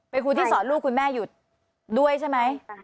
เป็นครูที่สอนลูกคุณแม่อยู่ด้วยใช่ไหม